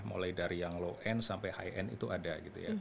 mulai dari yang low end sampai high end itu ada gitu ya